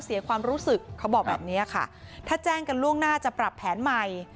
เสียความรู้สึกเขาบอกแบบนี้ค่ะถ้าแจ้งกันล่วงหน้าจะปรับแผนใหม่